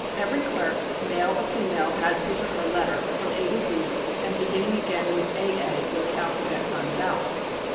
Every clerk, male or female, has his or her letter, from A to Z, and beginning again with A A, when the alphabet "runs out."